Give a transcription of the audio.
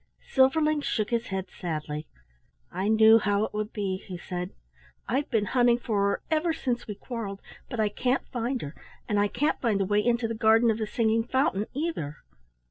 Silverling shook his head sadly. "I know how it would be," he said. "I've been hunting for her ever since we quarrelled, but I can't find her, and I can't find the way into the garden of the singing fountain either."